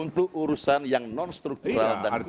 untuk urusan yang non struktural dan kritik